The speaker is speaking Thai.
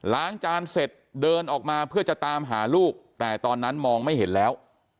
ล้างจานเสร็จเดินออกมาเพื่อจะตามหาลูกแต่ตอนนั้นมองไม่เห็นแล้ว